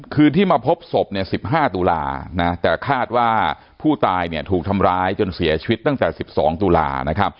ที่มาพบศพ๑๕ตุลาแต่คาดว่าผู้ตายถูกทำร้ายจนเสียชีวิตตั้งแต่๑๒ตุลา